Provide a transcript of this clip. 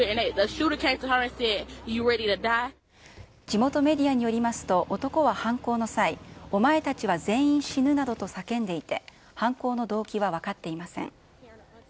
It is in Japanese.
地元メディアによりますと、男は犯行の際、お前たちは全員死ぬなどと叫んでいて、犯行の動機は分かっていません。